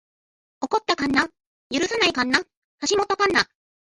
起こった神無許さない神無橋本神無